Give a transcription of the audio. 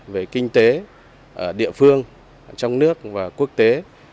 về kinh tế địa phương trong nước và quốc tế